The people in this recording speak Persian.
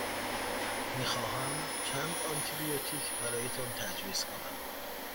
می خواهمم چند آنتی بیوتیک برایتان تجویز کنم.